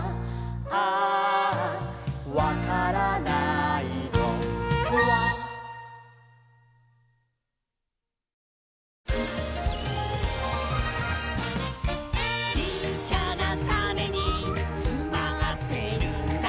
「アアわからないのフワ」「ちっちゃなタネにつまってるんだ」